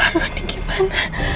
aduh ini gimana